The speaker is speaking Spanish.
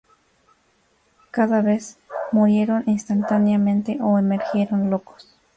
Cada vez, murieron instantáneamente o emergieron locos.